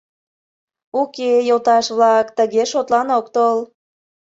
— Уке, йолташ-влак, тыге шотлан ок тол.